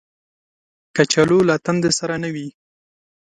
کچالو له تندې سره نه وي